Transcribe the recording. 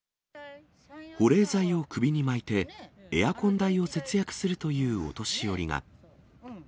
保冷剤を首に巻いて、エアコン代を節約するというお年寄りが。